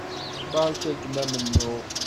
Beṛka-kem amennuɣ.